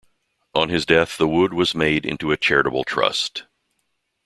On his death the wood was made into a charitable trust.